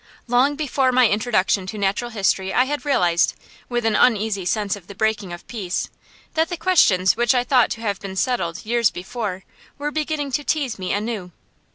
Long before my introduction to natural history I had realized, with an uneasy sense of the breaking of peace, that the questions which I thought to have been settled years before were beginning to tease me anew.